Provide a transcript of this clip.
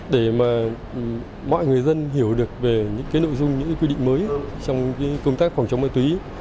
để mà mọi người dân hiểu được về những cái nội dung những quy định mới trong công tác phòng chống ma túy